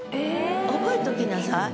覚えときなさい。